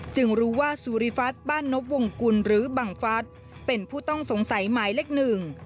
รู้ว่าสุริฟัฐบ้านนบวงกุลหรือบังฟัสเป็นผู้ต้องสงสัยหมายเลขหนึ่ง